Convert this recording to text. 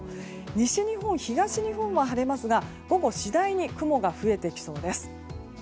西日本、東日本は晴れますが午後次第に雲が増えてきそうです。